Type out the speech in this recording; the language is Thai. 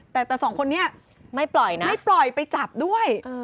แต่สองคนนี้ไม่ปล่อยไปจับด้วย